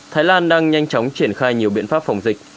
thái lan đang nhanh chóng triển khai nhiều biện pháp phòng dịch